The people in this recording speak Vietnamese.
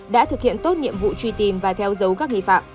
đã thực hiện tốt nhiệm vụ truy tìm và theo dấu các nghi phạm